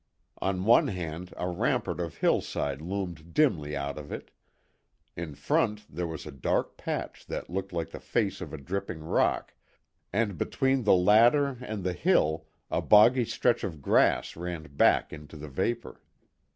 On one hand a rampart of hillside loomed dimly out of it; in front there was a dark patch that looked like the face of a dripping rock; and between the latter and the hill a boggy stretch of grass ran back into the vapour.